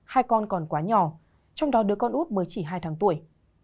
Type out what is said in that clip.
hai con còn quá nhỏ trong đó đứa con út mới chỉ hai tháng tuổi